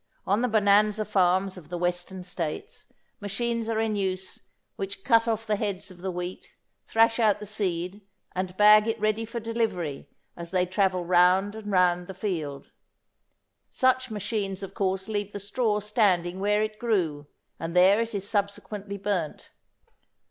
On the Bonanza farms of the Western States machines are in use which cut off the heads of the wheat, thrash out the seed, and bag it ready for delivery, as they travel round and round the field. Such machines of course leave the straw standing where it grew, and there it is subsequently burnt.